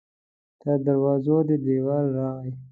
تر دروازو دې دیوال راغلی